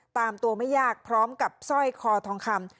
ตามตัวไม่ยากพร้อมกับสร้อยคอทองคำ